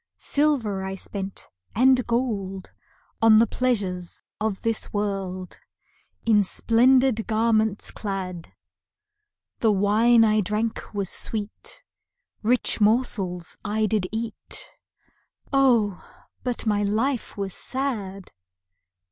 Silver I spent and gold, On the pleasures of this world, In splendid garments clad; The wine I drank was sweet, Rich morsels I did eat Oh, but my life was sad!